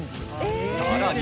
さらに！